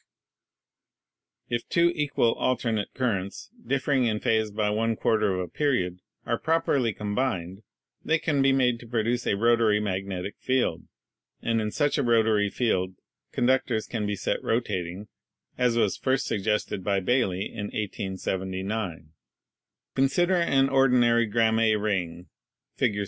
If two equal alternate currents, differing in phase by one quarter of a period, are properly combined, they can be made to produce a rotatory magnetic field. And in such a rotatory field conductors can be set rotating, as was first suggested by Baily in 1879. "Consider an ordinary Gramme ring (Fig.